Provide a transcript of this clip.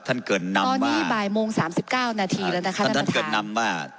เกิดนำตอนนี้บ่ายโมงสามสิบเก้านาทีแล้วนะคะท่านเกิดนำว่า